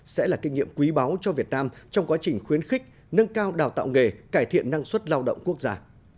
sẽ là kinh nghiệm quý báu cho việt nam trong quá trình khuyến khích nâng cao đào tạo nghề cải thiện năng suất lao động quốc gia